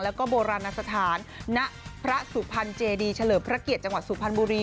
แล้วก็โบราณสถานณพระสุพรรณเจดีเฉลิมพระเกียรติจังหวัดสุพรรณบุรี